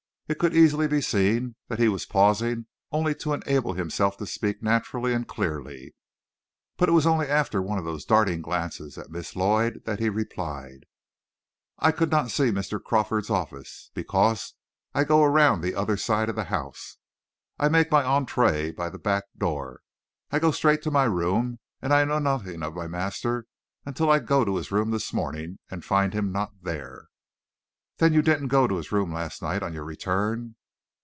It could easily be seen that he was pausing only to enable himself to speak naturally and clearly, but it was only after one of those darting glances at Miss Lloyd that he replied: "I could not see Mr. Crawford's office, because I go around the other side of the house. I make my entree by the back door; I go straight to my room, and I know nothing of my master until I go to his room this morning and find him not there." "Then you didn't go to his room last night on your return?"